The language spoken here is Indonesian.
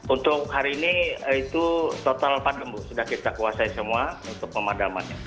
untuk hari ini itu total empat sudah kita kuasai semua untuk pemadamannya